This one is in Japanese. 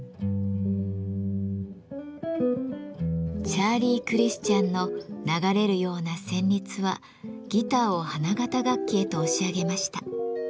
チャーリー・クリスチャンの流れるような旋律はギターを花形楽器へと押し上げました。